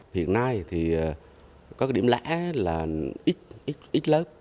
hiện nay thì có cái điểm lẽ là ít ít lớp